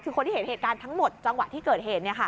คือคนที่เห็นเหตุการณ์ทั้งหมดจังหวะที่เกิดเหตุ